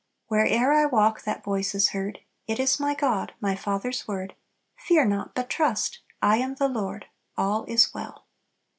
Where'er I walk that voice is heard, It is my God, my Father's word 'Fear not, but trust; I am the Lord, All is well!'"